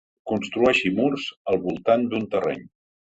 Construeixi murs al voltant d'un terreny.